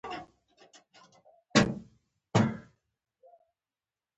نورستان د افغانستان د اوږدمهاله پایښت لپاره مهم رول لري.